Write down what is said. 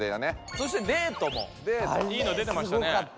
そして「デート」もいいの出てましたね。